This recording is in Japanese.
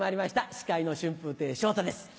司会の春風亭昇太です